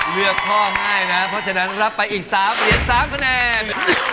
เลือกพ่อง่ายนะเพราะฉะนั้นรับไปอีก๓เหรียญ๓คะแนน